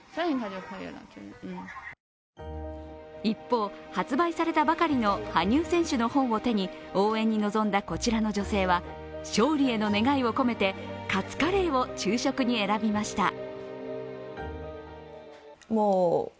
一方、発売されたばかりの羽生選手の本を手に応援に臨んだこちらの女性は、勝利への願いを込めてカツカレーを昼食に選びました。